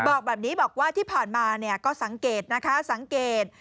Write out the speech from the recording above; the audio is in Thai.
บอกแบบนี้บอกว่าที่ผ่านมาเนี่ยก็สังเกตนะคะสังเกต